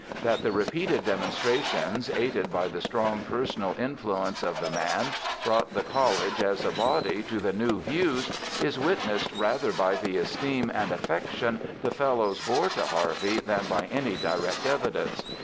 That the repeated demonstrations, aided by the strong personal influence of the man, brought the College, as a body, to the new views is witnessed rather by the esteem and affection the Fellows bore to Harvey than by any direct evidence.